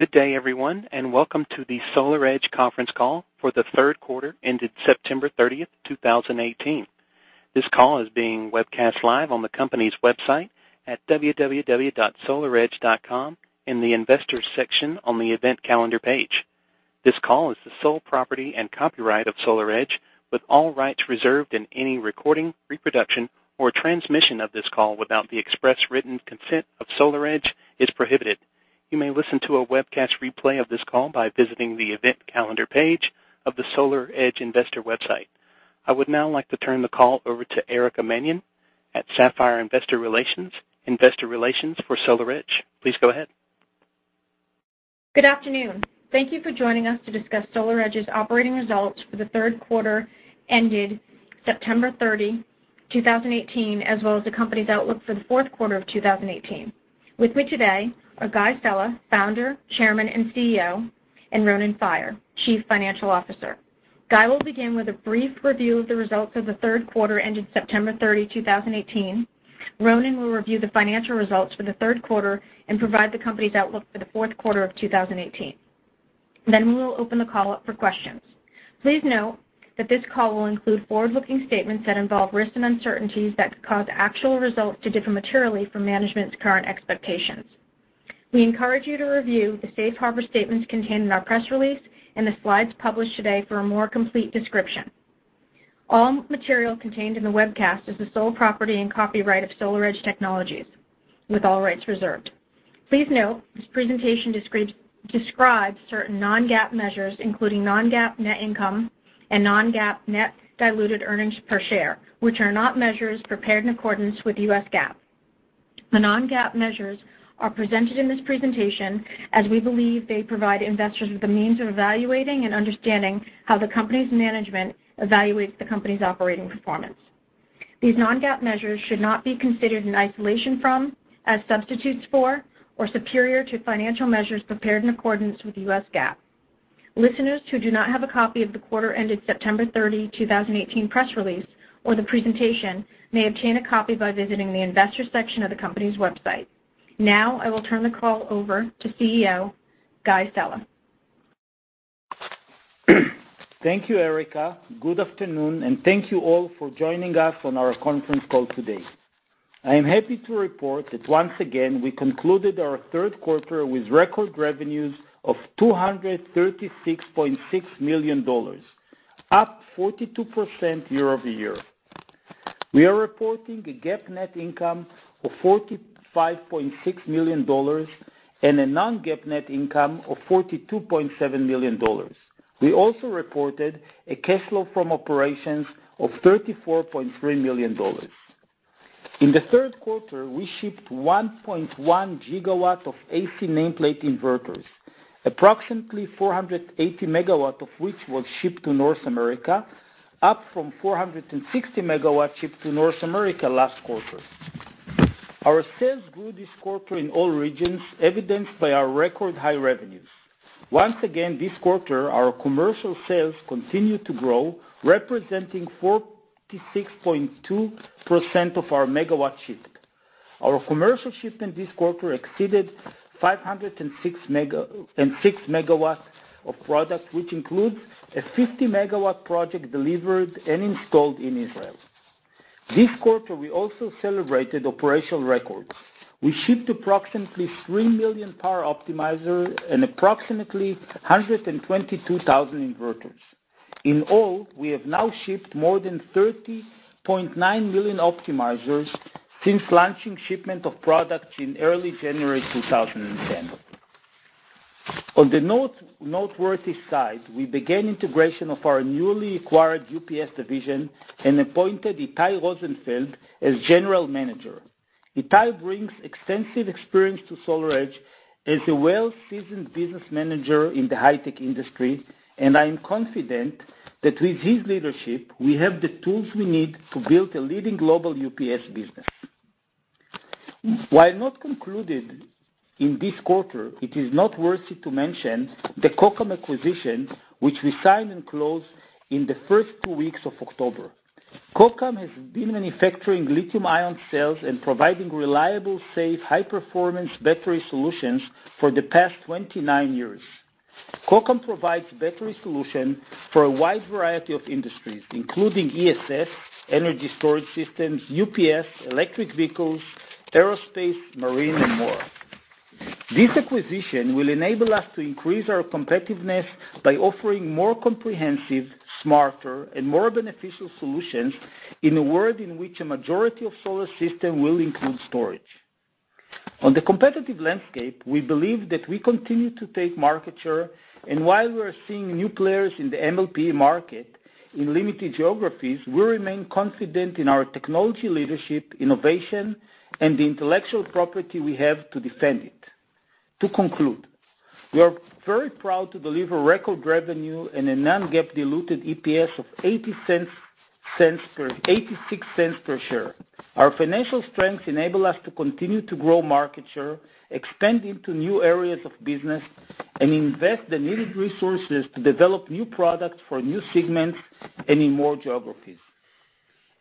Good day everyone. Welcome to the SolarEdge conference call for the third quarter ended September 30, 2018. This call is being webcast live on the company's website at www.solaredge.com in the Investors section on the event calendar page. This call is the sole property and copyright of SolarEdge, with all rights reserved and any recording, reproduction, or transmission of this call without the express written consent of SolarEdge is prohibited. You may listen to a webcast replay of this call by visiting the Event Calendar page of the SolarEdge investor website. I would now like to turn the call over to Erica Mannion at Sapphire Investor Relations, investor relations for SolarEdge. Please go ahead. Good afternoon. Thank you for joining us to discuss SolarEdge's operating results for the third quarter ended September 30, 2018, as well as the company's outlook for the fourth quarter of 2018. With me today are Guy Sella, Founder, Chairman, and Chief Executive Officer, and Ronen Faier, Chief Financial Officer. Guy will begin with a brief review of the results of the third quarter ended September 30, 2018. Ronen will review the financial results for the third quarter and provide the company's outlook for the fourth quarter of 2018. We will open the call up for questions. Please note that this call will include forward-looking statements that involve risks and uncertainties that could cause actual results to differ materially from management's current expectations. We encourage you to review the safe harbor statements contained in our press release and the slides published today for a more complete description. All material contained in the webcast is the sole property and copyright of SolarEdge Technologies, with all rights reserved. Please note, this presentation describes certain non-GAAP measures, including non-GAAP net income and non-GAAP net diluted earnings per share, which are not measures prepared in accordance with US GAAP. The non-GAAP measures are presented in this presentation as we believe they provide investors with a means of evaluating and understanding how the company's management evaluates the company's operating performance. These non-GAAP measures should not be considered in isolation from, as substitutes for, or superior to financial measures prepared in accordance with US GAAP. Listeners who do not have a copy of the quarter ended September 30, 2018, press release or the presentation may obtain a copy by visiting the Investors section of the company's website. I will turn the call over to CEO, Guy Sella. Thank you, Erica. Good afternoon. Thank you all for joining us on our conference call today. I am happy to report that once again, we concluded our third quarter with record revenues of $236.6 million, up 42% year-over-year. We are reporting a GAAP net income of $45.6 million and a non-GAAP net income of $42.7 million. We also reported a cash flow from operations of $34.3 million. In the third quarter, we shipped 1.1 gigawatts of AC nameplate inverters, approximately 480 megawatts of which was shipped to North America, up from 460 megawatts shipped to North America last quarter. Our sales grew this quarter in all regions, evidenced by our record-high revenues. Once again this quarter, our commercial sales continued to grow, representing 46.2% of our megawatt shift. Our commercial shift in this quarter exceeded 506 megawatts of product, which includes a 50-megawatt project delivered and installed in Israel. This quarter, we also celebrated operational records. We shipped approximately 3 million Power Optimizers and approximately 122,000 inverters. In all, we have now shipped more than 30.9 million optimizers since launching shipment of product in early January 2010. On the noteworthy side, we began integration of our newly acquired UPS division and appointed Itai Rosenfeld as general manager. Itai brings extensive experience to SolarEdge as a well-seasoned business manager in the high-tech industry, and I am confident that with his leadership, we have the tools we need to build a leading global UPS business. While not concluded in this quarter, it is noteworthy to mention the Kokam acquisition, which we signed and closed in the first two weeks of October. Kokam has been manufacturing lithium-ion cells and providing reliable, safe, high-performance battery solutions for the past 29 years. Kokam provides battery solution for a wide variety of industries, including ESS, energy storage systems, UPS, electric vehicles, aerospace, marine, and more. This acquisition will enable us to increase our competitiveness by offering more comprehensive, smarter, and more beneficial solutions in a world in which a majority of solar system will include storage. On the competitive landscape, we believe that we continue to take market share, and while we are seeing new players in the MLPE market in limited geographies, we remain confident in our technology leadership, innovation, and the intellectual property we have to defend it. To conclude, we are very proud to deliver record revenue and a non-GAAP diluted EPS of $0.86 per share. Our financial strengths enable us to continue to grow market share, expand into new areas of business, and invest the needed resources to develop new products for new segments and in more geographies.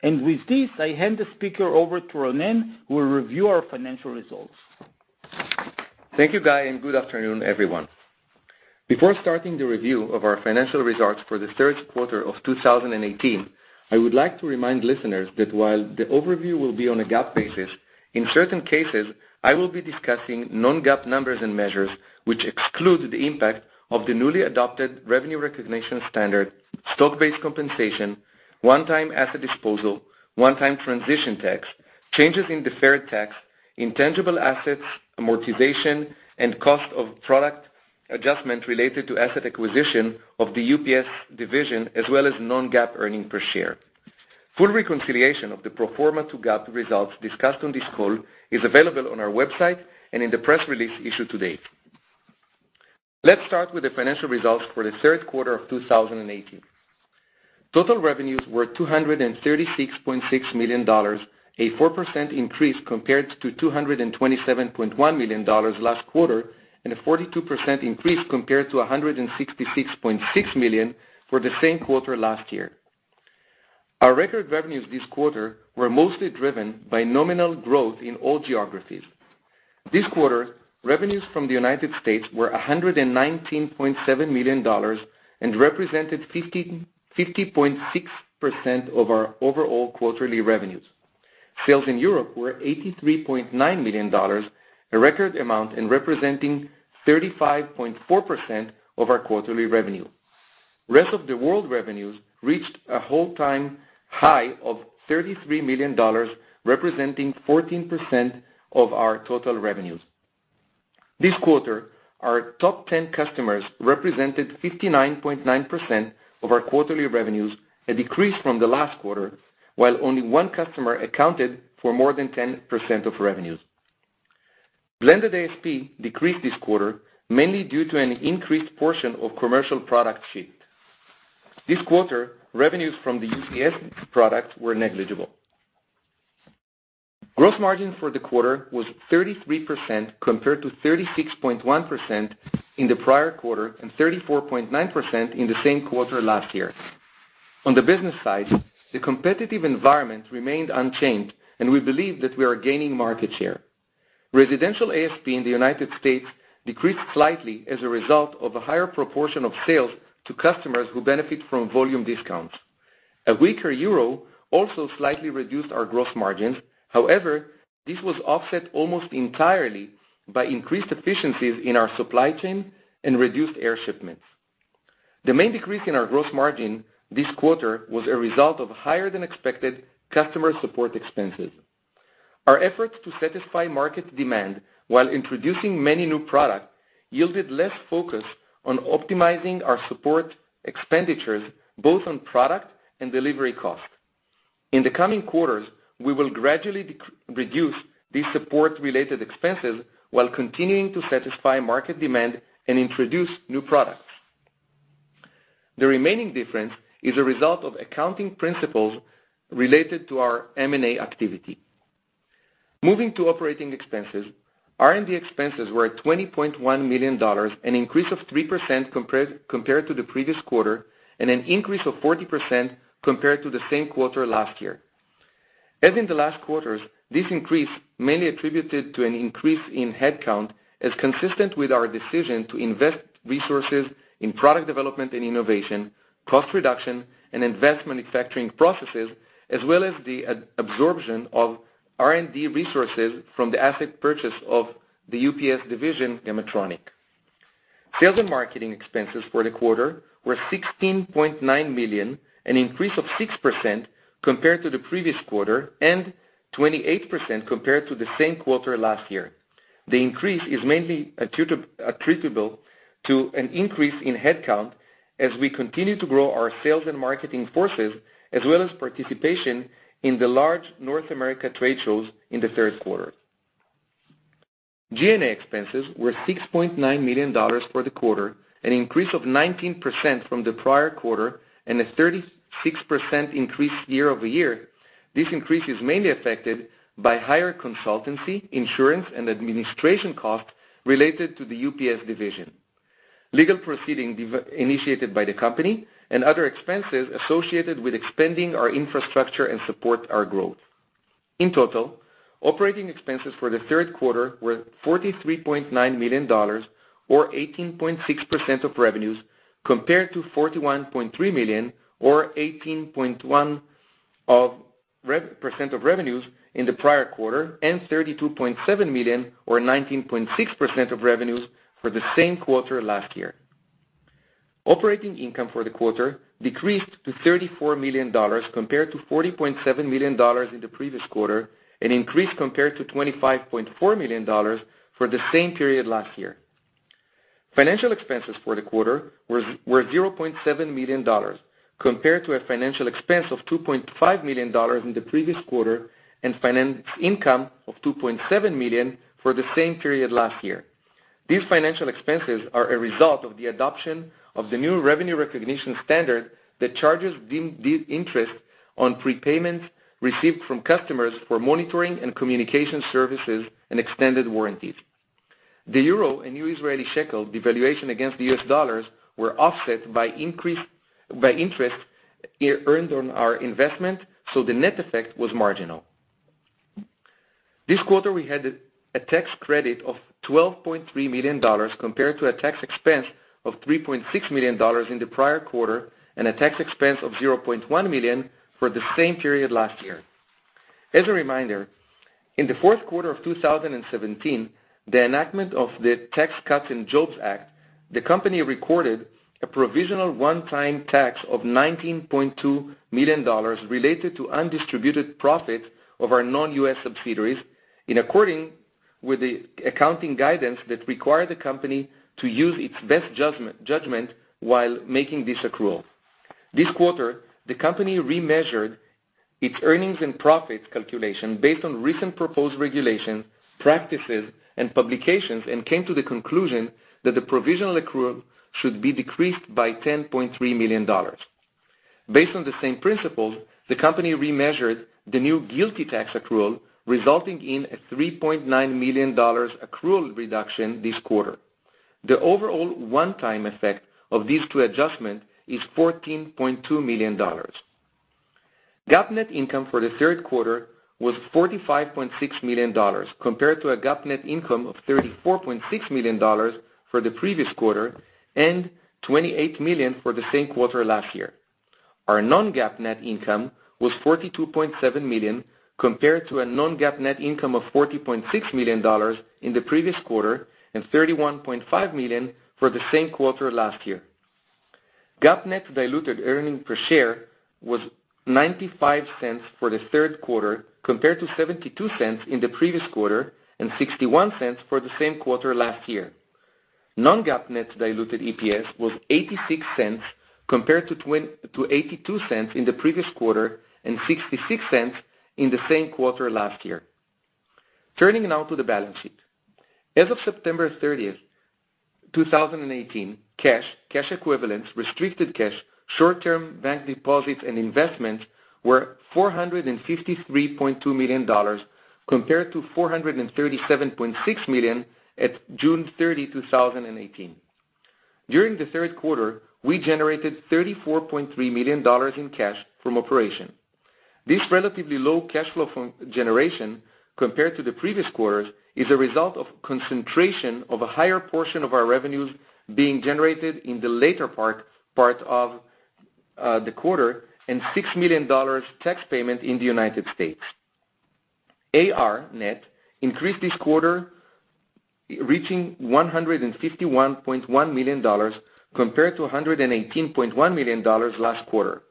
With this, I hand the speaker over to Ronen, who will review our financial results. Thank you, Guy, and good afternoon, everyone. Before starting the review of our financial results for the third quarter of 2018, I would like to remind listeners that while the overview will be on a GAAP basis, in certain cases, I will be discussing non-GAAP numbers and measures which exclude the impact of the newly adopted revenue recognition standard, stock-based compensation, one-time asset disposal, one-time transition tax, changes in deferred tax, intangible assets, amortization, and cost of product adjustment related to asset acquisition of the UPS division, as well as non-GAAP earnings per share. Full reconciliation of the pro forma to GAAP results discussed on this call is available on our website and in the press release issued today. Let's start with the financial results for the third quarter of 2018. Total revenues were $236.6 million, a 4% increase compared to $227.1 million last quarter, and a 42% increase compared to $166.6 million for the same quarter last year. Our record revenues this quarter were mostly driven by nominal growth in all geographies. This quarter, revenues from the U.S. were $119.7 million and represented 50.6% of our overall quarterly revenues. Sales in Europe were $83.9 million, a record amount, and representing 35.4% of our quarterly revenue. Rest of the world revenues reached an all-time high of $33 million, representing 14% of our total revenues. This quarter, our top 10 customers represented 59.9% of our quarterly revenues, a decrease from the last quarter, while only one customer accounted for more than 10% of revenues. Blended ASP decreased this quarter mainly due to an increased portion of commercial products shipped. This quarter, revenues from the UPS product were negligible. Gross margin for the quarter was 33% compared to 36.1% in the prior quarter and 34.9% in the same quarter last year. On the business side, the competitive environment remained unchanged, and we believe that we are gaining market share. Residential ASP in the U.S. decreased slightly as a result of a higher proportion of sales to customers who benefit from volume discounts. A weaker euro also slightly reduced our gross margins. However, this was offset almost entirely by increased efficiencies in our supply chain and reduced air shipments. The main decrease in our gross margin this quarter was a result of higher-than-expected customer support expenses. Our efforts to satisfy market demand while introducing many new product yielded less focus on optimizing our support expenditures, both on product and delivery costs. In the coming quarters, we will gradually reduce these support-related expenses while continuing to satisfy market demand and introduce new products. The remaining difference is a result of accounting principles related to our M&A activity. Moving to operating expenses, R&D expenses were at $20.1 million, an increase of 3% compared to the previous quarter, and an increase of 40% compared to the same quarter last year. As in the last quarters, this increase mainly attributed to an increase in headcount, is consistent with our decision to invest resources in product development and innovation, cost reduction, and invest manufacturing processes, as well as the absorption of R&D resources from the asset purchase of the UPS division, Gamatronic. Sales and marketing expenses for the quarter were $16.9 million, an increase of 6% compared to the previous quarter and 28% compared to the same quarter last year. The increase is mainly attributable to an increase in headcount as we continue to grow our sales and marketing forces, as well as participation in the large North America trade shows in the third quarter. G&A expenses were $6.9 million for the quarter, an increase of 19% from the prior quarter, and a 36% increase year-over-year. This increase is mainly affected by higher consultancy, insurance, and administration costs related to the UPS division, legal proceeding initiated by the company, and other expenses associated with expanding our infrastructure and support our growth. In total, operating expenses for the third quarter were $43.9 million, or 18.6% of revenues, compared to $41.3 million or 18.1% of revenues in the prior quarter, and $32.7 million or 19.6% of revenues for the same quarter last year. Operating income for the quarter decreased to $34 million compared to $40.7 million in the previous quarter, an increase compared to $25.4 million for the same period last year. Financial expenses for the quarter were $0.7 million, compared to a financial expense of $2.5 million in the previous quarter and finance income of $2.7 million for the same period last year. These financial expenses are a result of the adoption of the new revenue recognition standard that charges the interest on prepayments received from customers for monitoring and communication services and extended warranties. The euro and new Israeli shekel devaluation against the US dollars were offset by interest earned on our investment, so the net effect was marginal. This quarter, we had a tax credit of $12.3 million compared to a tax expense of $3.6 million in the prior quarter and a tax expense of $0.1 million for the same period last year. As a reminder, in the fourth quarter of 2017, the enactment of the Tax Cuts and Jobs Act, the company recorded a provisional one-time tax of $19.2 million related to undistributed profits of our non-U.S. subsidiaries in accordance with the accounting guidance that requires the company to use its best judgment while making this accrual. This quarter, the company remeasured its earnings and profit calculation based on recent proposed regulation, practices, and publications, and came to the conclusion that the provisional accrual should be decreased by $10.3 million. Based on the same principles, the company remeasured the new GILTI tax accrual, resulting in a $3.9 million accrual reduction this quarter. The overall one-time effect of these two adjustments is $14.2 million. GAAP net income for the third quarter was $45.6 million, compared to a GAAP net income of $34.6 million for the previous quarter and $28 million for the same quarter last year. Our non-GAAP net income was $42.7 million, compared to a non-GAAP net income of $40.6 million in the previous quarter and $31.5 million for the same quarter last year. GAAP net diluted earnings per share was $0.95 for the third quarter, compared to $0.72 in the previous quarter and $0.61 for the same quarter last year. Non-GAAP net diluted EPS was $0.86, compared to $0.82 in the previous quarter and $0.66 in the same quarter last year. Turning now to the balance sheet. As of September 30, 2018, cash equivalents, restricted cash, short-term bank deposits, and investments were $453.2 million, compared to $437.6 million at June 30, 2018. During the third quarter, we generated $34.3 million in cash from operations. This relatively low cash flow from generation compared to the previous quarters is a result of concentration of a higher portion of our revenues being generated in the later part of the quarter and $6 million tax payment in the United States. AR net increased this quarter, reaching $151.1 million, compared to $118.1 million last quarter.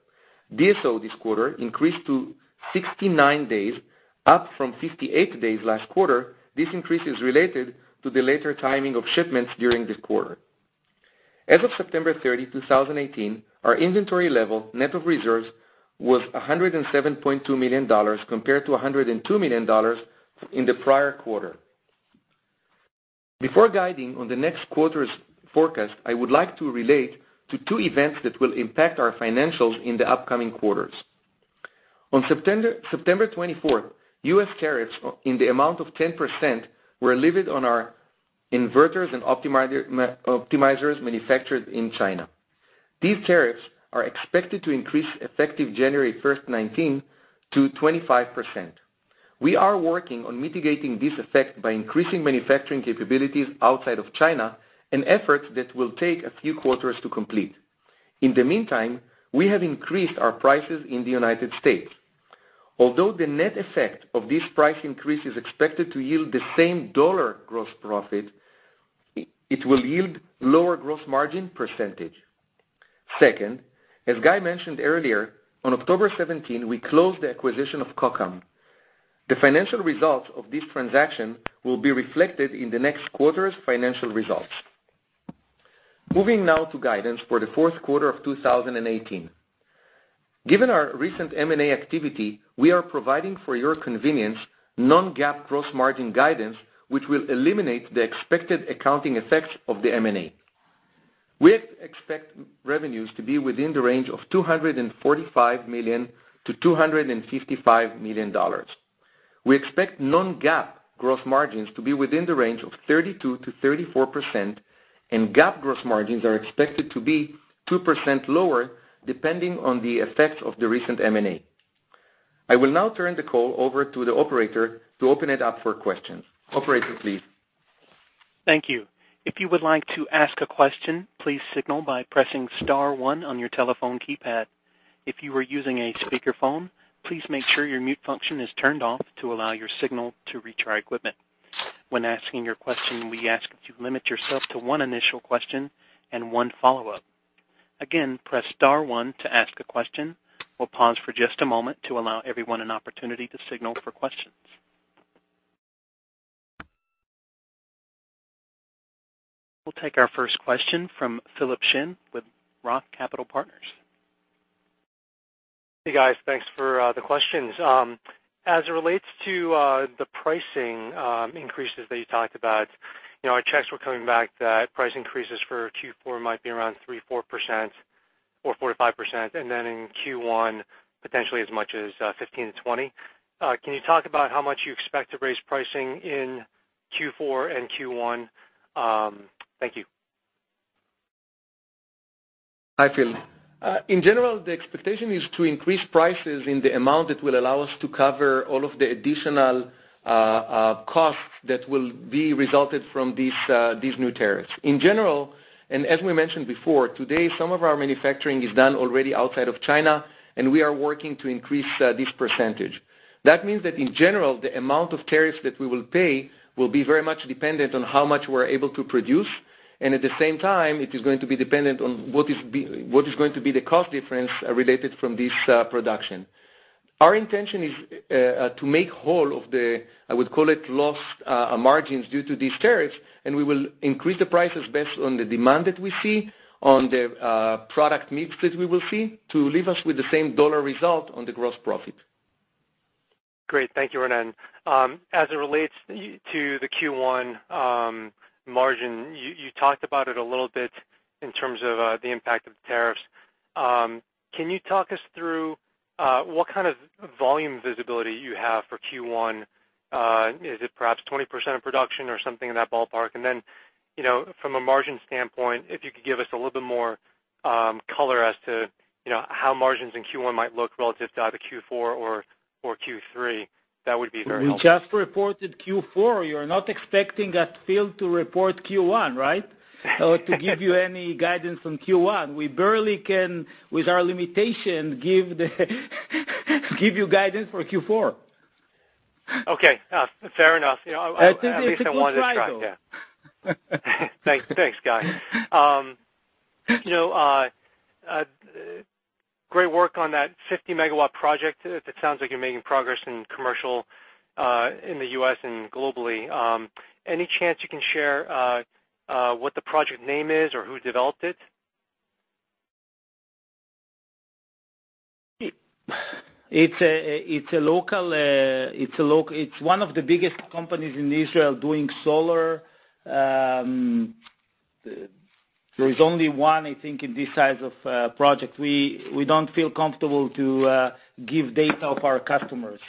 DSO this quarter increased to 69 days, up from 58 days last quarter. This increase is related to the later timing of shipments during this quarter. As of September 30, 2018, our inventory level net of reserves was $107.2 million compared to $102 million in the prior quarter. Before guiding on the next quarter's forecast, I would like to relate to two events that will impact our financials in the upcoming quarters. On September 24th, U.S. tariffs in the amount of 10% were levied on our inverters and Power Optimizers manufactured in China. These tariffs are expected to increase effective January 1st, 2019, to 25%. We are working on mitigating this effect by increasing manufacturing capabilities outside of China, an effort that will take a few quarters to complete. In the meantime, we have increased our prices in the United States. Although the net effect of this price increase is expected to yield the same dollar gross profit, it will yield lower gross margin %. Second, as Guy mentioned earlier, on October 17, we closed the acquisition of Kokam. The financial results of this transaction will be reflected in the next quarter's financial results. Moving now to guidance for the fourth quarter of 2018. Given our recent M&A activity, we are providing for your convenience non-GAAP gross margin guidance, which will eliminate the expected accounting effects of the M&A. We expect revenues to be within the range of $245 million-$255 million. We expect non-GAAP gross margins to be within the range of 32%-34%, and GAAP gross margins are expected to be 2% lower depending on the effects of the recent M&A. I will now turn the call over to the operator to open it up for questions. Operator, please. Thank you. If you would like to ask a question, please signal by pressing *1 on your telephone keypad. If you are using a speakerphone, please make sure your mute function is turned off to allow your signal to reach our equipment. When asking your question, we ask that you limit yourself to one initial question and one follow-up. Again, press *1 to ask a question. We'll pause for just a moment to allow everyone an opportunity to signal for questions. We'll take our first question from Philip Shen with Roth Capital Partners. Hey, guys. Thanks for the questions. As it relates to the pricing increases that you talked about, our checks were coming back that price increases for Q4 might be around 3%-4%. 45%, then in Q1, potentially as much as 15%-20%. Can you talk about how much you expect to raise pricing in Q4 and Q1? Thank you. Hi, Phil. In general, the expectation is to increase prices in the amount that will allow us to cover all of the additional costs that will be resulted from these new tariffs. In general, as we mentioned before, today, some of our manufacturing is done already outside of China, and we are working to increase this percentage. That means that in general, the amount of tariffs that we will pay will be very much dependent on how much we're able to produce, and at the same time, it is going to be dependent on what is going to be the cost difference related from this production. Our intention is to make whole of the, I would call it lost margins due to these tariffs. We will increase the prices based on the demand that we see, on the product mix that we will see to leave us with the same dollar result on the gross profit. Great. Thank you, Ronen. As it relates to the Q1 margin, you talked about it a little bit in terms of the impact of the tariffs. Can you talk us through what kind of volume visibility you have for Q1? Is it perhaps 20% of production or something in that ballpark? From a margin standpoint, if you could give us a little bit more color as to how margins in Q1 might look relative to either Q4 or Q3, that would be very helpful. We just reported Q4. You're not expecting us, Phil, to report Q1, right? Or to give you any guidance on Q1. We barely can, with our limitation, give you guidance for Q4. Okay. Fair enough. I think it's a good try, though. At least I wanted to try. Yeah. Thanks, Guy. Great work on that 50 MW project. It sounds like you're making progress in commercial, in the U.S. and globally. Any chance you can share what the project name is or who developed it? It's one of the biggest companies in Israel doing solar. There is only one, I think, in this size of project. We don't feel comfortable to give data of our customers.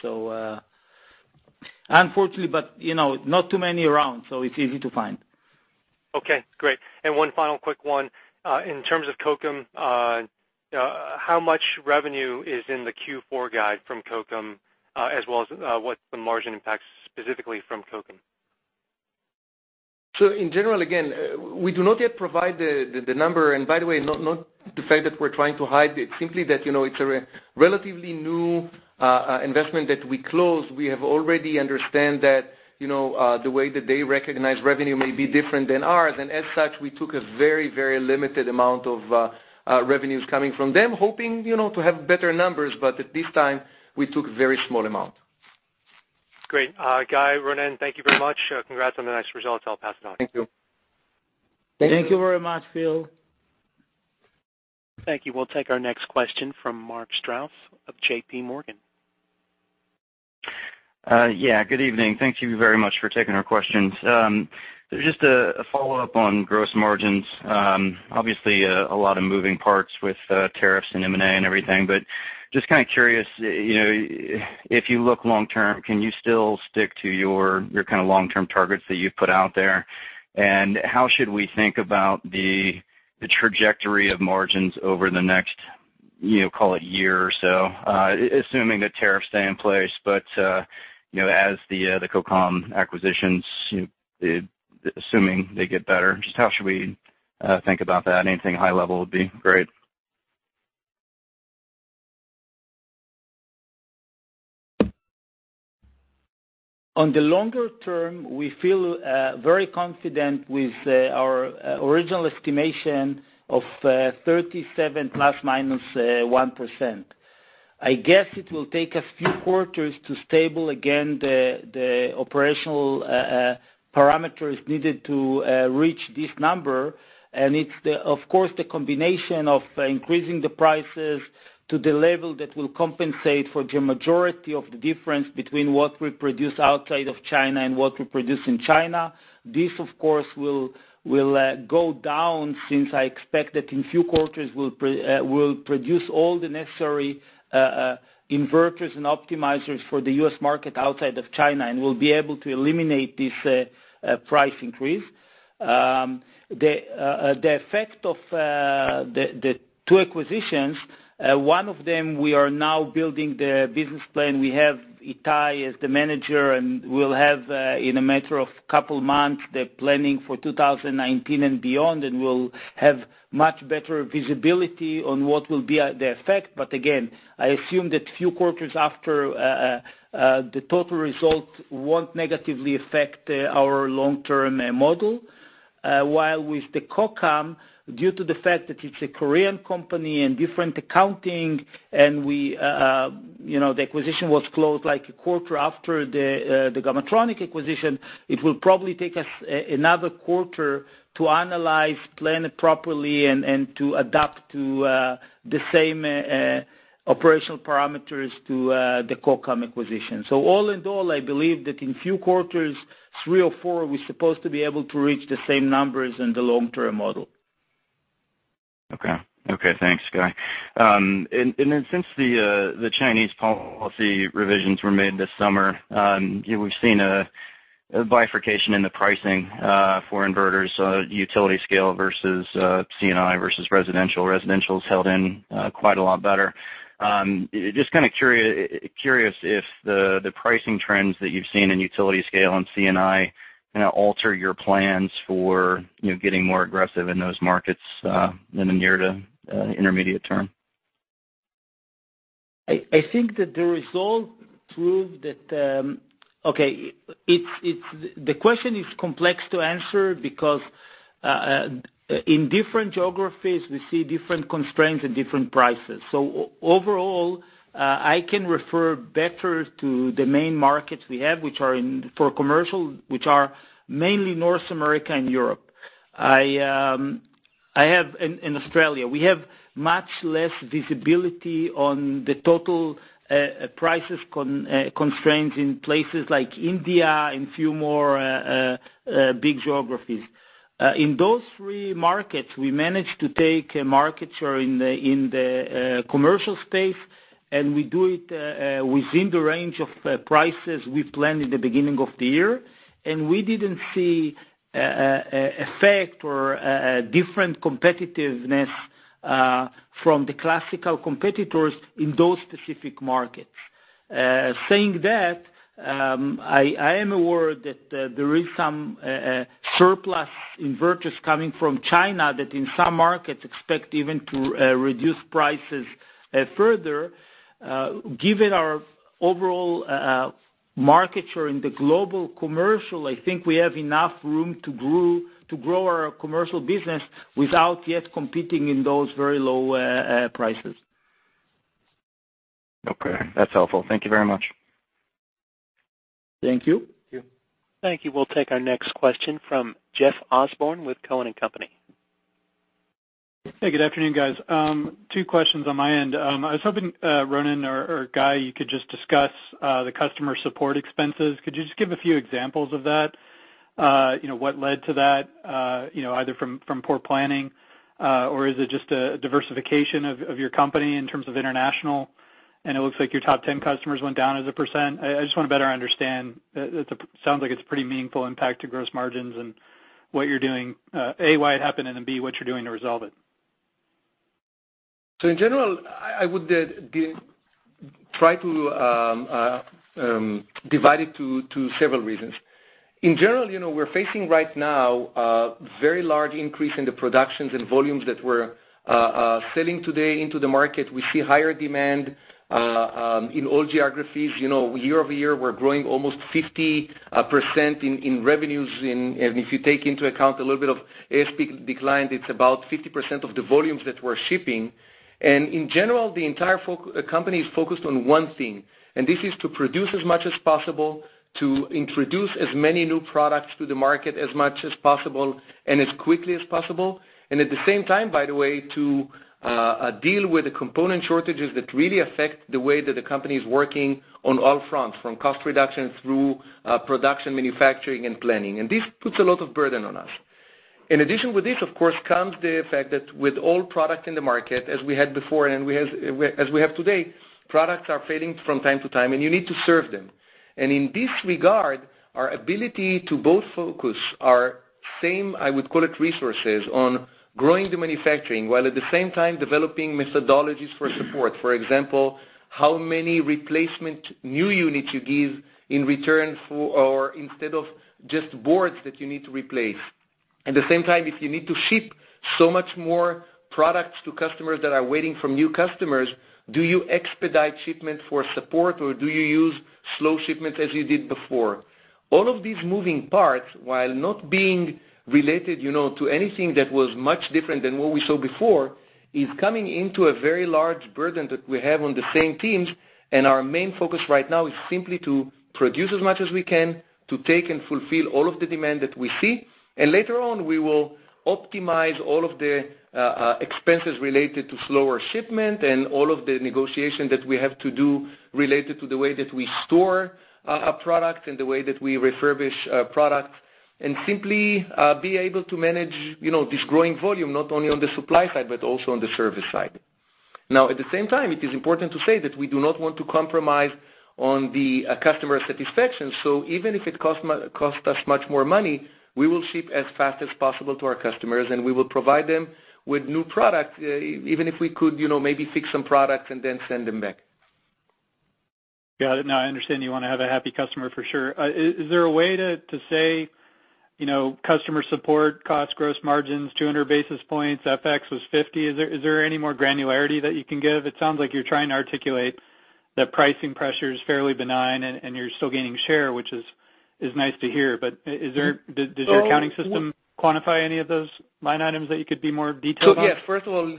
Unfortunately, but not too many around, so it's easy to find. Okay, great. One final quick one. In terms of Kokam, how much revenue is in the Q4 guide from Kokam, as well as what's the margin impact specifically from Kokam? In general, again, we do not yet provide the number, and by the way, not the fact that we're trying to hide it, simply that it's a relatively new investment that we closed. We have already understand that the way that they recognize revenue may be different than ours, and as such, we took a very limited amount of revenues coming from them, hoping to have better numbers, but at this time, we took very small amount. Great. Guy, Ronen, thank you very much. Congrats on the nice results. I'll pass it on. Thank you. Thank you. Thank you very much, Phil. Thank you. We'll take our next question from Mark Strouse of JPMorgan. Yeah, good evening. Thank you very much for taking our questions. Just a follow-up on gross margins. Obviously, a lot of moving parts with tariffs and M&A and everything, but just kind of curious, if you look long term, can you still stick to your long-term targets that you've put out there? How should we think about the trajectory of margins over the next, call it year or so, assuming the tariffs stay in place, but as the Kokam acquisitions, assuming they get better, just how should we think about that? Anything high level would be great. On the longer term, we feel very confident with our original estimation of 37 ±1%. I guess it will take us few quarters to stable again the operational parameters needed to reach this number. It's of course, the combination of increasing the prices to the level that will compensate for the majority of the difference between what we produce outside of China and what we produce in China. This, of course, will go down since I expect that in few quarters, we'll produce all the necessary inverters and Optimizers for the U.S. market outside of China. We'll be able to eliminate this price increase. The effect of the two acquisitions, one of them, we are now building the business plan. We have Itai as the manager. We'll have, in a matter of couple months, the planning for 2019 and beyond. We'll have much better visibility on what will be the effect. Again, I assume that few quarters after, the total result won't negatively affect our long-term model. While with the Kokam, due to the fact that it's a Korean company and different accounting and the acquisition was closed like a quarter after the Gamatronic acquisition, it will probably take us another quarter to analyze, plan it properly, and to adapt to the same operational parameters to the Kokam acquisition. All in all, I believe that in few quarters, three or four, we're supposed to be able to reach the same numbers in the long-term model. Okay. Okay, thanks Guy. Since the Chinese policy revisions were made this summer, we've seen a bifurcation in the pricing for inverters, utility scale versus C&I versus residential. Residential's held in quite a lot better. Just kind of curious if the pricing trends that you've seen in utility scale and C&I alter your plans for getting more aggressive in those markets in the near to intermediate term. I think that the result proved that. The question is complex to answer because, in different geographies, we see different constraints and different prices. Overall, I can refer better to the main markets we have, for commercial, which are mainly North America and Europe. In Australia, we have much less visibility on the total prices constraints in places like India and a few more big geographies. In those three markets, we managed to take a market share in the commercial space, and we do it within the range of prices we planned in the beginning of the year. We didn't see effect or different competitiveness from the classical competitors in those specific markets. Saying that, I am aware that there is some surplus inverters coming from China that in some markets expect even to reduce prices further. Given our overall market share in the global commercial, I think we have enough room to grow our commercial business without yet competing in those very low prices. Okay. That's helpful. Thank you very much. Thank you. Thank you. Thank you. We'll take our next question from Jeff Osborne with Cowen and Company. Hey, good afternoon, guys. Two questions on my end. I was hoping, Ronen or Guy, you could just discuss the customer support expenses. Could you just give a few examples of that? What led to that, either from poor planning or is it just a diversification of your company in terms of international? It looks like your top 10 customers went down as a %. I just want to better understand. It sounds like it's a pretty meaningful impact to gross margins and what you're doing, A, why it happened, and then B, what you're doing to resolve it. In general, I would try to divide it to several reasons. In general, we're facing right now a very large increase in the productions and volumes that we're selling today into the market. We see higher demand in all geographies. Year-over-year, we're growing almost 50% in revenues, and if you take into account a little bit of ASP decline, it's about 50% of the volumes that we're shipping. In general, the entire company is focused on one thing, and this is to produce as much as possible, to introduce as many new products to the market as much as possible and as quickly as possible. At the same time, by the way, to deal with the component shortages that really affect the way that the company is working on all fronts, from cost reduction through production, manufacturing, and planning. This puts a lot of burden on us. In addition with this, of course, comes the fact that with all product in the market, as we had before and as we have today, products are failing from time to time, and you need to serve them. In this regard, our ability to both focus our same, I would call it, resources on growing the manufacturing, while at the same time developing methodologies for support. For example, how many replacement new units you give in return for or instead of just boards that you need to replace. If you need to ship so much more products to customers that are waiting for new customers, do you expedite shipment for support, or do you use slow shipments as you did before? All of these moving parts, while not being related to anything that was much different than what we saw before, is coming into a very large burden that we have on the same teams, and our main focus right now is simply to produce as much as we can, to take and fulfill all of the demand that we see. Later on, we will optimize all of the expenses related to slower shipment and all of the negotiation that we have to do related to the way that we store a product and the way that we refurbish a product and simply be able to manage this growing volume, not only on the supply side, but also on the service side. At the same time, it is important to say that we do not want to compromise on the customer satisfaction. Even if it costs us much more money, we will ship as fast as possible to our customers, and we will provide them with new product, even if we could maybe fix some products and then send them back. Got it. No, I understand you want to have a happy customer for sure. Is there a way to say customer support cost gross margins 200 basis points, FX was 50 basis points? Is there any more granularity that you can give? It sounds like you're trying to articulate that pricing pressure is fairly benign and you're still gaining share, which is nice to hear. Does your accounting system quantify any of those line items that you could be more detailed on? First of all,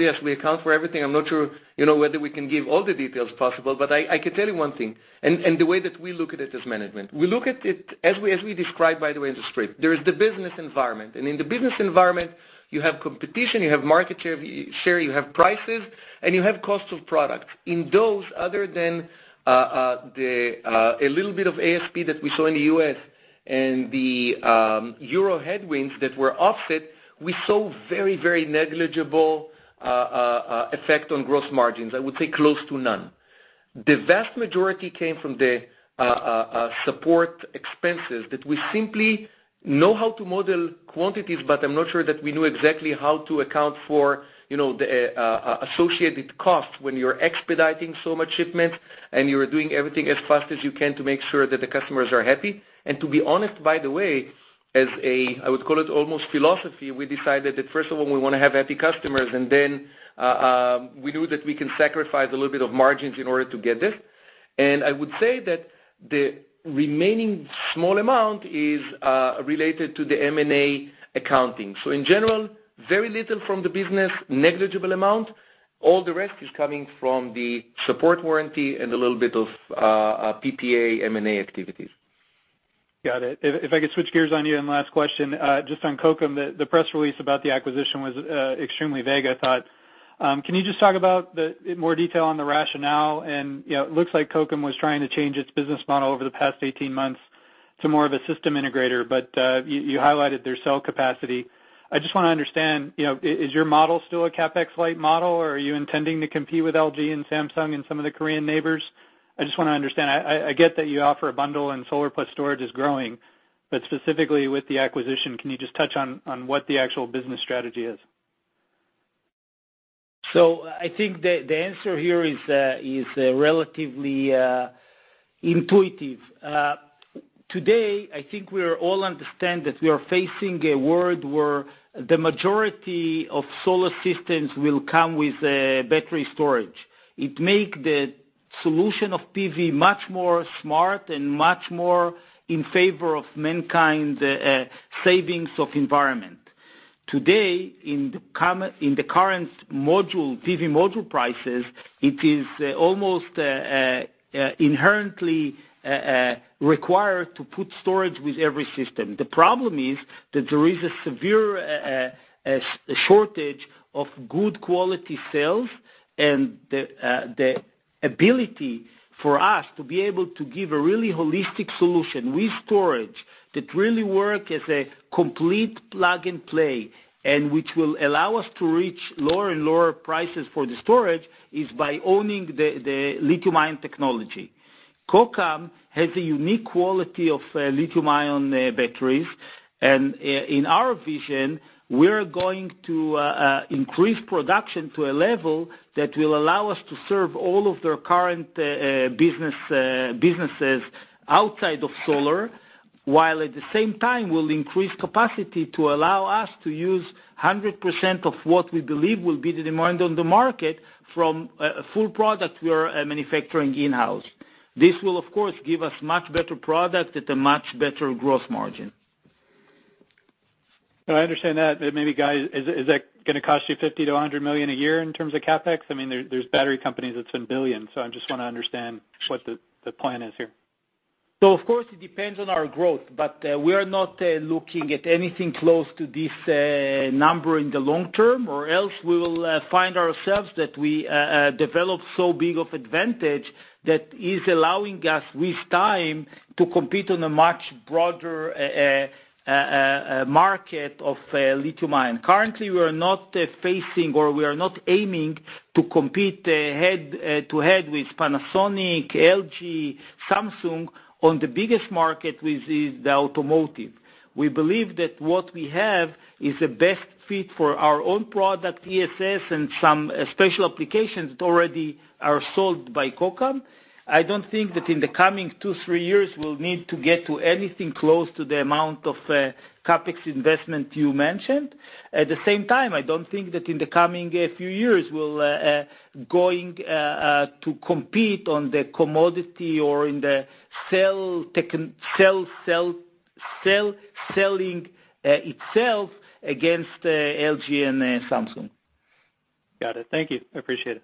yes, we account for everything. I'm not sure whether we can give all the details possible, but I can tell you one thing and the way that we look at it as management. We look at it as we describe, by the way, in the script. There is the business environment, and in the business environment, you have competition, you have market share, you have prices, and you have cost of product. In those other than a little bit of ASP that we saw in the U.S. and the EUR headwinds that were offset, we saw very negligible effect on gross margins. I would say close to none. The vast majority came from the support expenses that we simply know how to model quantities, but I'm not sure that we knew exactly how to account for the associated costs when you're expediting so much shipments, and you are doing everything as fast as you can to make sure that the customers are happy. To be honest, by the way, as a, I would call it almost philosophy, we decided that first of all, we want to have happy customers, and then we knew that we can sacrifice a little bit of margins in order to get this. I would say that the remaining small amount is related to the M&A accounting. In general, very little from the business, negligible amount, all the rest is coming from the support warranty and a little bit of PPA M&A activities. Got it. If I could switch gears on you, and last question, just on Kokam, the press release about the acquisition was extremely vague, I thought. Can you just talk about in more detail on the rationale and it looks like Kokam was trying to change its business model over the past 18 months to more of a system integrator. You highlighted their cell capacity. I just want to understand, is your model still a CapEx light model, or are you intending to compete with LG and Samsung and some of the Korean neighbors? I just want to understand. I get that you offer a bundle and solar plus storage is growing, but specifically with the acquisition, can you just touch on what the actual business strategy is? I think the answer here is relatively intuitive. Today, I think we all understand that we are facing a world where the majority of solar systems will come with battery storage. It make the solution of PV much more smart and much more in favor of mankind savings of environment. Today, in the current PV module prices, it is almost inherently required to put storage with every system. The problem is that there is a severe shortage of good quality cells, and the ability for us to be able to give a really holistic solution with storage that really work as a complete plug-and-play, and which will allow us to reach lower and lower prices for the storage is by owning the lithium-ion technology. Kokam has a unique quality of lithium-ion batteries. In our vision, we're going to increase production to a level that will allow us to serve all of their current businesses outside of solar, while at the same time will increase capacity to allow us to use 100% of what we believe will be the demand on the market from a full product we are manufacturing in-house. This will, of course, give us much better product at a much better gross margin. No, I understand that. Maybe, guys, is that going to cost you $50 million-$100 million a year in terms of CapEx? There's battery companies that spend $ billions. I just want to understand what the plan is here. Of course, it depends on our growth. We are not looking at anything close to this number in the long term or else we will find ourselves that we develop so big of advantage that is allowing us with time to compete on a much broader market of lithium-ion. Currently, we are not facing or we are not aiming to compete head-to-head with Panasonic, LG, Samsung on the biggest market with the automotive. We believe that what we have is the best fit for our own product, ESS, and some special applications that already are sold by Kokam. I don't think that in the coming two, three years, we'll need to get to anything close to the amount of CapEx investment you mentioned. At the same time, I don't think that in the coming few years, we'll going to compete on the commodity or in the cell selling itself against LG and Samsung. Got it. Thank you. I appreciate it.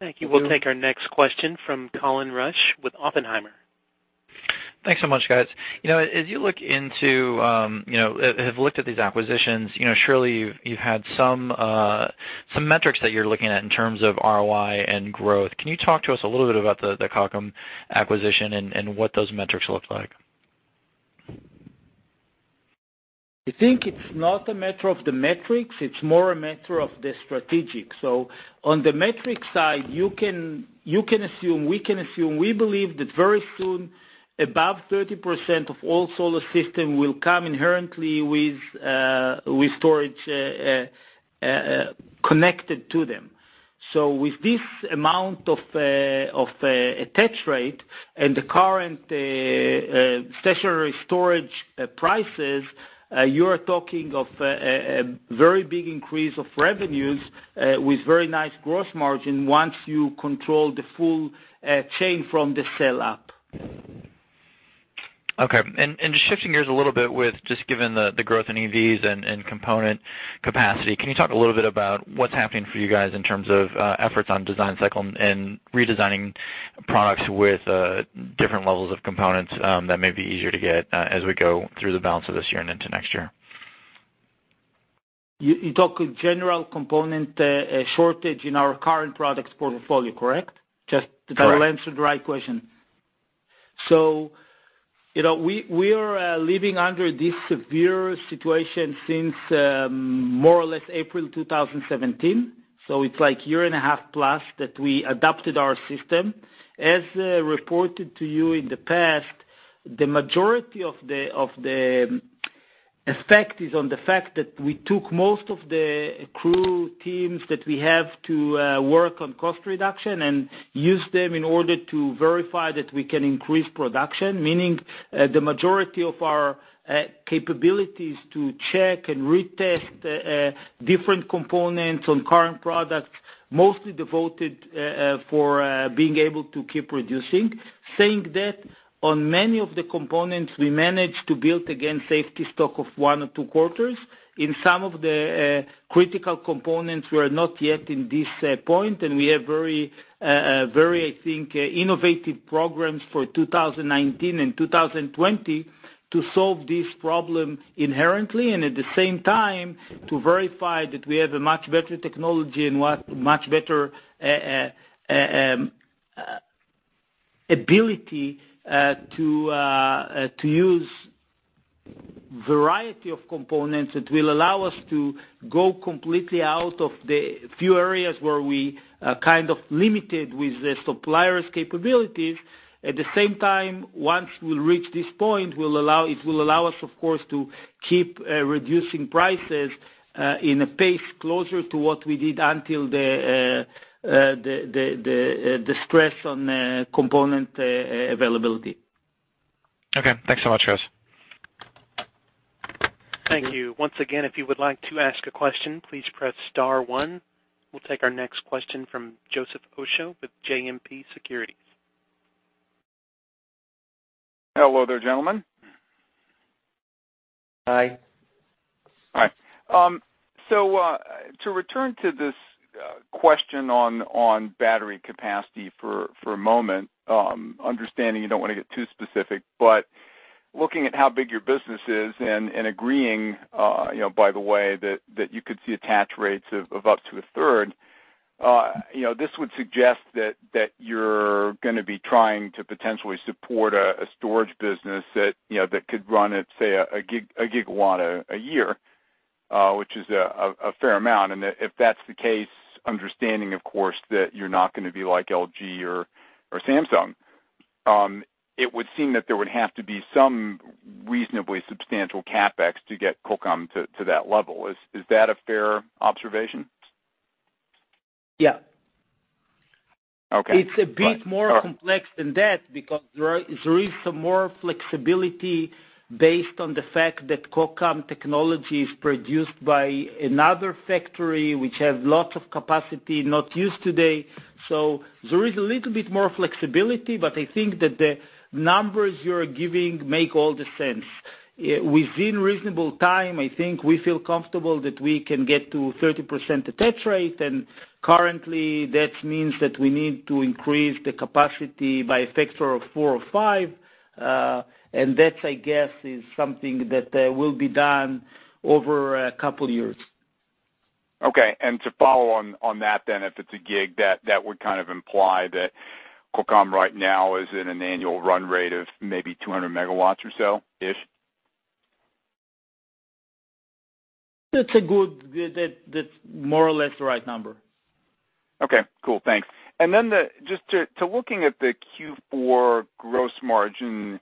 Thank you. We'll take our next question from Colin Rusch with Oppenheimer. Thanks so much, guys. As you have looked at these acquisitions, surely you've had some metrics that you're looking at in terms of ROI and growth. Can you talk to us a little bit about the Kokam acquisition and what those metrics look like? I think it's not a matter of the metrics, it's more a matter of the strategic. On the metric side, you can assume, we can assume, we believe that very soon, about 30% of all solar system will come inherently with storage connected to them. With this amount of attach rate and the current stationary storage prices, you're talking of a very big increase of revenues with very nice gross margin once you control the full chain from the cell up. Okay. Just shifting gears a little bit with just given the growth in EVs and component capacity, can you talk a little bit about what's happening for you guys in terms of efforts on design cycle and redesigning products with different levels of components that may be easier to get as we go through the balance of this year and into next year? You talk general component shortage in our current products portfolio, correct? Just that I answer the right question. We are living under this severe situation since more or less April 2017. It's like year and a half plus that we adapted our system. As reported to you in the past, the majority of the effect is on the fact that we took most of the crew teams that we have to work on cost reduction and used them in order to verify that we can increase production, meaning the majority of our capabilities to check and retest different components on current products, mostly devoted for being able to keep reducing. Saying that, on many of the components, we managed to build again safety stock of one or two quarters. In some of the critical components, we are not yet in this point, and we have very, I think, innovative programs for 2019 and 2020 to solve this problem inherently, and at the same time, to verify that we have a much better technology and much better ability to use variety of components that will allow us to go completely out of the few areas where we kind of limited with the suppliers' capabilities. At the same time, once we'll reach this point, it will allow us, of course, to keep reducing prices in a pace closer to what we did until the stress on component availability. Okay, thanks so much, guys. Thank you. Once again, if you would like to ask a question, please press star one. We'll take our next question from Joseph Osha with JMP Securities. Hello there, gentlemen. Hi. Hi. To return to this question on battery capacity for a moment, understanding you don't want to get too specific, but looking at how big your business is and agreeing, by the way, that you could see attach rates of up to a third. This would suggest that you're going to be trying to potentially support a storage business that could run at, say, a gigawatt a year, which is a fair amount. If that's the case, understanding, of course, that you're not going to be like LG or Samsung, it would seem that there would have to be some reasonably substantial CapEx to get Kokam to that level. Is that a fair observation? Yeah. Okay. It's a bit more complex than that because there is some more flexibility based on the fact that Kokam technology is produced by another factory, which has lots of capacity not used today. There is a little bit more flexibility, but I think that the numbers you're giving make all the sense. Within reasonable time, I think we feel comfortable that we can get to 30% attach rate, and currently that means that we need to increase the capacity by a factor of four or five. That, I guess, is something that will be done over a couple of years. Okay, to follow on that, if it's a gig, that would kind of imply that Kokam right now is in an annual run rate of maybe 200 MW or so-ish? That's more or less the right number. Okay, cool. Thanks. Just looking at the Q4 gross margin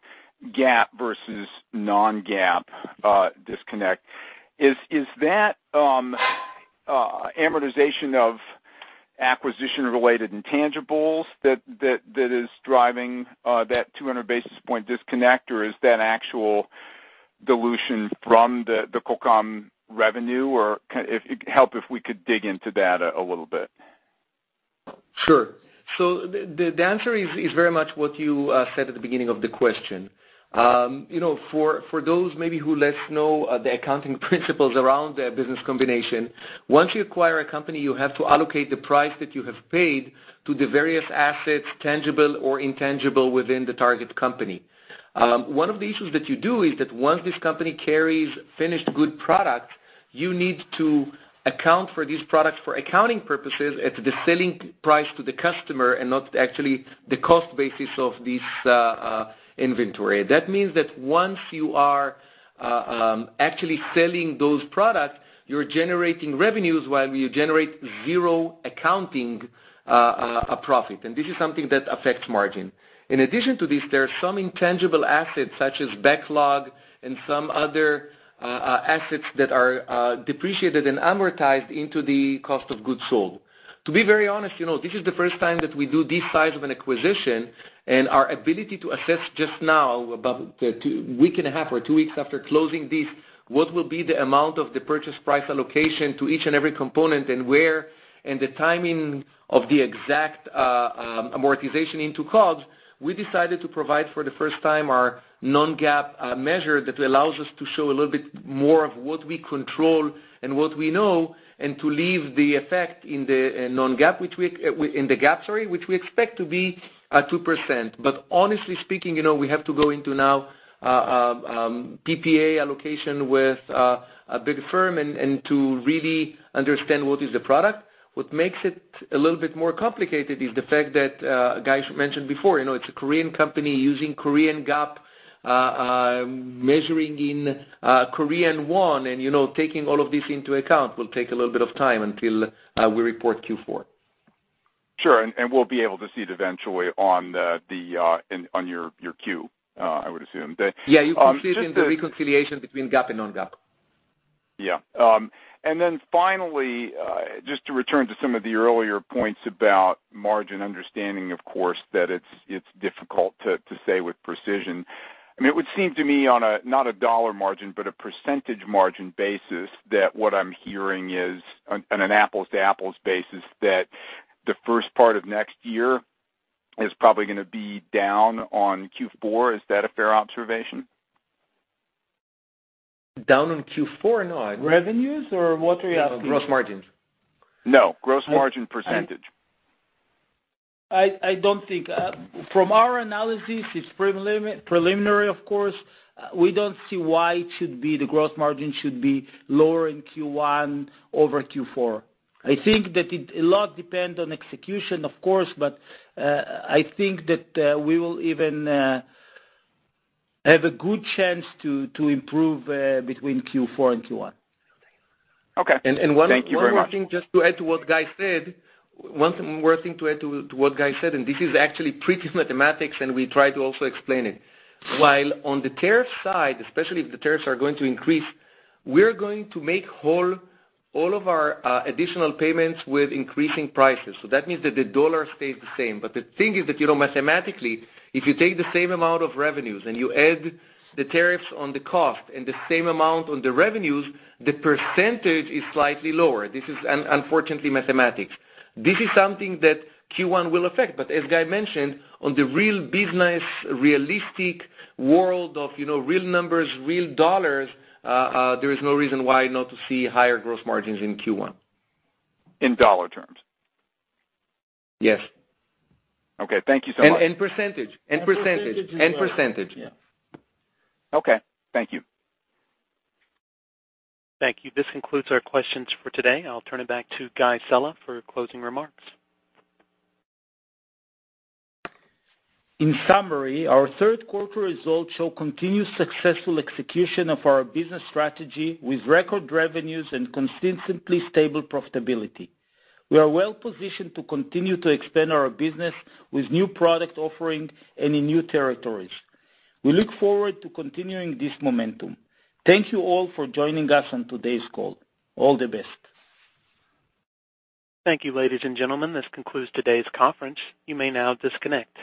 GAAP versus non-GAAP disconnect, is that amortization of acquisition-related intangibles that is driving that 200 basis point disconnect, or is that actual dilution from the Kokam revenue? It'd help if we could dig into that a little bit. Sure. The answer is very much what you said at the beginning of the question. For those maybe who less know the accounting principles around business combination, once you acquire a company, you have to allocate the price that you have paid to the various assets, tangible or intangible, within the target company. One of the issues that you do is that once this company carries finished goods product, you need to account for these products for accounting purposes at the selling price to the customer and not actually the cost basis of this inventory. That means that once you are actually selling those products, you're generating revenues while you generate zero accounting profit. This is something that affects margin. In addition to this, there are some intangible assets such as backlog and some other assets that are depreciated and amortized into the Cost of Goods Sold. To be very honest, this is the first time that we do this size of an acquisition, and our ability to assess just now, about a week and a half or two weeks after closing this, what will be the amount of the purchase price allocation to each and every component and where, and the timing of the exact amortization into COGS, we decided to provide for the first time our non-GAAP measure that allows us to show a little bit more of what we control and what we know, and to leave the effect in the non-GAAP, in the GAAP, sorry, which we expect to be at 2%. Honestly speaking, we have to go into now PPA allocation with a big firm and to really understand what is the product. What makes it a little bit more complicated is the fact that, Guy mentioned before, it's a Korean company using Korean GAAP, measuring in Korean won, and taking all of this into account will take a little bit of time until we report Q4. Sure. We'll be able to see it eventually on your Q, I would assume. Yeah. You can see it in the reconciliation between GAAP and non-GAAP. Then finally, just to return to some of the earlier points about margin understanding, of course, that it's difficult to say with precision. It would seem to me, on a not a dollar margin, but a percentage margin basis, that what I'm hearing is, on an apples-to-apples basis, that the first part of next year is probably going to be down on Q4. Is that a fair observation? Down on Q4? No, I don't Revenues, or what are you asking? Gross margins. No, gross margin percentage. I don't think. From our analysis, it's preliminary, of course, we don't see why the gross margin should be lower in Q1 over Q4. I think that it a lot depend on execution, of course, but I think that we will even have a good chance to improve between Q4 and Q1. Okay. Thank you very much. One more thing just to add to what Guy said, and this is actually pretty mathematics, and we try to also explain it. While on the tariff side, especially if the tariffs are going to increase, we're going to make whole all of our additional payments with increasing prices. That means that the dollar stays the same. The thing is that mathematically, if you take the same amount of revenues and you add the tariffs on the cost and the same amount on the revenues, the percentage is slightly lower. This is unfortunately mathematics. This is something that Q1 will affect. As Guy mentioned, on the real business, realistic world of real numbers, real dollars, there is no reason why not to see higher gross margins in Q1. In dollar terms? Yes. Okay. Thank you so much. Percentage. Percentage as well. Percentage, yeah. Okay, thank you. Thank you. This concludes our questions for today. I'll turn it back to Guy Sella for closing remarks. In summary, our third quarter results show continued successful execution of our business strategy, with record revenues and consistently stable profitability. We are well-positioned to continue to expand our business with new product offering and in new territories. We look forward to continuing this momentum. Thank you all for joining us on today's call. All the best. Thank you, ladies and gentlemen. This concludes today's conference. You may now disconnect.